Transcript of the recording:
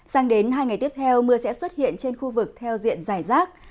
sang đến hai ngày tiếp theo mưa sẽ xuất hiện trên khu vực theo diện giải rác